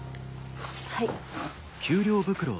はい。